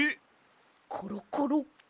コロコロ。